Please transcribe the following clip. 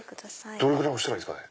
どれぐらい押したらいいですか？